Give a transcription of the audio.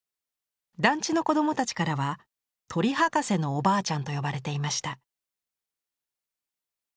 団地の子どもたちからは「鳥博士のおばあちゃん」と呼ばれていました。